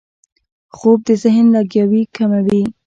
خوب د ذهن لګیاوي کموي